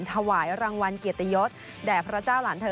ถวายรางวัลเกียรติยศแด่พระเจ้าหลานเธอ